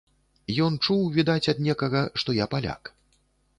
Ён чуў, відаць ад некага, што я паляк.